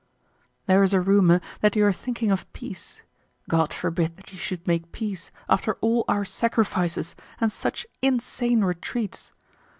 There is a rumor that you are thinking of peace. God forbid that you should make peace after all our sacrifices and such insane retreats!